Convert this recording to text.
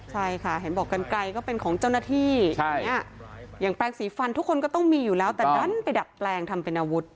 ใช่ค่ะเห็นบอกกันไกลก็เป็นของเจ้าหน้าที่อย่างนี้อย่างแปลงสีฟันทุกคนก็ต้องมีอยู่แล้วแต่ดันไปดัดแปลงทำเป็นอาวุธ